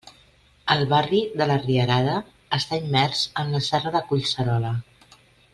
El barri de la Rierada està immers en la serra de Collserola.